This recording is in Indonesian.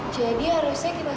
jadi harusnya kita